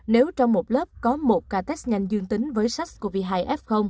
nếu trong một lớp có một ca test nhanh dương tính với sars cov hai f